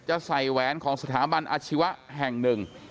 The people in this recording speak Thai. จะใส่แหวนของสถาบันอาชีวะแห่งหนึ่ง